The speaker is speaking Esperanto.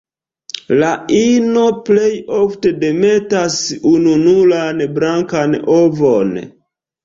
La ino plej ofte demetas ununuran blankan ovon.